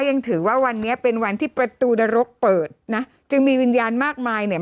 ยังถือว่าวันนี้เป็นวันที่ประตูนรกเปิดนะจึงมีวิญญาณมากมายเนี่ย